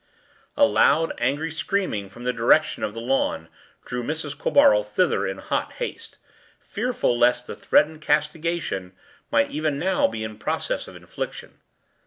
” A loud, angry screaming from the direction of the lawn drew Mrs. Quabarl thither in hot haste, fearful lest the threatened castigation might even now be in process of infliction.